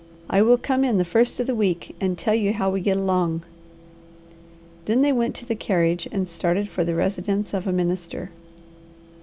I will come in the first of the week and tell you how we get along." Then they went to the carriage and started for the residence of a minister.